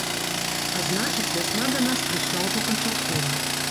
А значыць, вясна да нас прыйшла ўжо канчаткова.